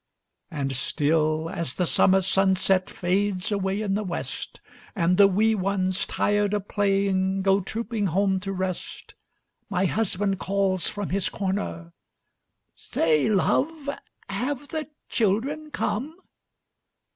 And still, as the summer sunset Fades away in the west, And the wee ones, tired of playing, Go trooping home to rest, My husband calls from his corner, "Say, love, have the children come?"